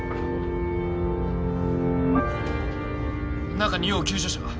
中に要救助者が